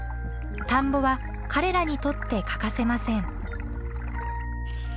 田んぼは彼らにとって欠かせません。